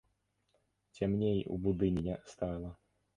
Цямней у будыніне стала.